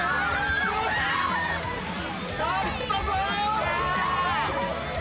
勝ったぞ！